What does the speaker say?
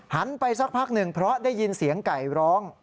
ไปสักพักหนึ่งเพราะได้ยินเสียงไก่ร้อง